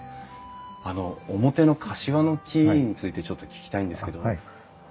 あの表のカシワの木についてちょっと聞きたいんですけど。